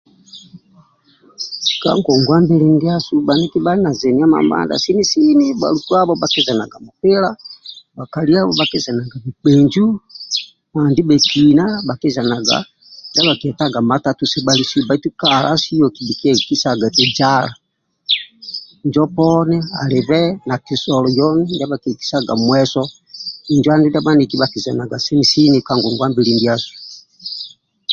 Ka ngongwa mbili ndiasu bhaniki bhali na zeni mamadha sini sini bhalukuabho bhakizenaga mupila bhakaliabho bhakizenaga kibhenju na ndibhekina bhakuzenaga ndibhekina bhakizenaga ndia bhakitaga matatu sebhalisio bhaitu kalasio kibhikietisaga eti zala injo poni alobe na kisolo yoho ndia bhakietisaga mueso injo andu ndia bhaniki bhakizenaga ka ngongwa mbili ndiasu